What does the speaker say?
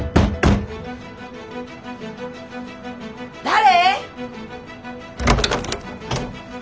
誰？